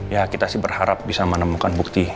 ya kita sih berharap bisa menemukan bukti